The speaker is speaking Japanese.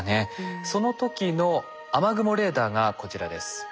その時の雨雲レーダーがこちらです。